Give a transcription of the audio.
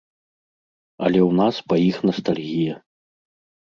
Але ў нас па іх настальгія.